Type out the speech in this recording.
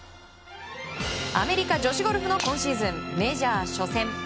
アメリカ女子ゴルフの今シーズン、メジャー初戦。